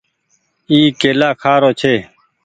اي ڪيلآ کآ رو ڇي۔